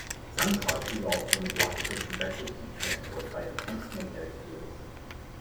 Sunspots result from the blockage of convective heat transport by intense magnetic fields.